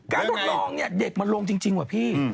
การตนลองเด็กมันลงจริงว่าพี่